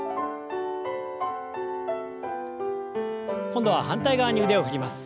今度は反対側に腕を振ります。